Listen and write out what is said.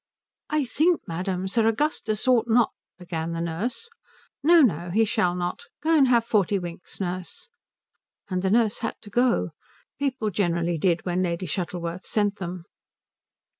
"I think, madam, Sir Augustus ought not " began the nurse. "No, no, he shall not. Go and have forty winks, nurse." And the nurse had to go; people generally did when Lady Shuttleworth sent them.